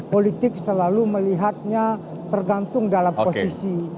politik selalu melihatnya tergantung dalam posisi